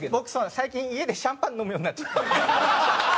最近家でシャンパン飲むようになっちゃって。